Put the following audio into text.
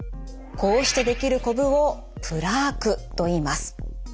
こうしてできるこぶをプラークといいます。